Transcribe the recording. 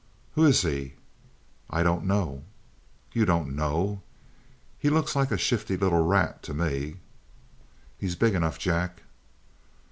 "Who's he?" "I don't know." "You don't know? He looks like a shifty little rat to me." "He's big enough, Jack."